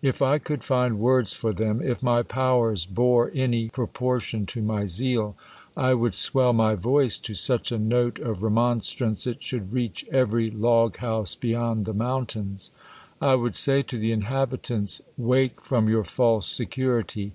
If I ?€ould find words for them, if my powers bore any pro portion to my zeal, I would swell my voice to such a note of remonstrance, it should reach every log house beyond the mountains. I would say to the inhabitants, Wake from your false security.